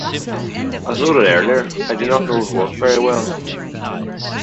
As noted earlier, I do not know his work very well.